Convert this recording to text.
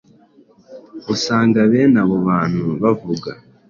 Usanga bene abo abantu bavuga